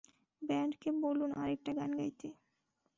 ব্যান্ডকে বলুন আরেকটা গান গাইতে!